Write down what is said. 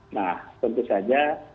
nah tentu saja